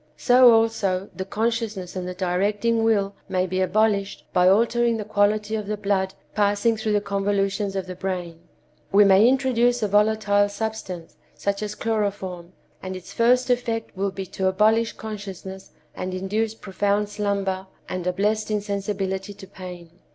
So, also, the consciousness and the directing will may be abolished by altering the quality of the blood passing through the convolutions of the brain. We may introduce a volatile substance, such as chloroform, and its first effect will be to abolish consciousness and induce profound slumber and a blessed insensibility to pain.